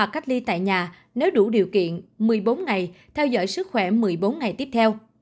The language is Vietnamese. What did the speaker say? cách ly tại nhà nếu đủ điều kiện một mươi bốn ngày theo dõi sức khỏe một mươi bốn ngày tiếp theo